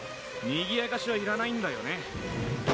にぎやかしはいらないんだよね。